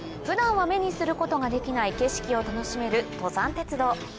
普段は目にすることができない景色を楽しめる登山鉄道。